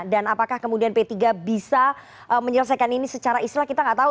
dan apakah kemudian p tiga bisa menyelesaikan ini secara istilah kita gak tahu